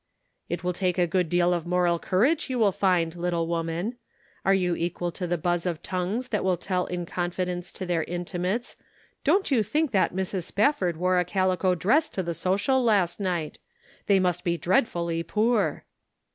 "It will take a good deal of moral courage you will find, little woman. Are you equal to the buzz of tongues that will tell in con fidence to their intimates: 'Don't you think that Mrs. Sp afford wore a calico dress to the social last night! They must be dreadfully poor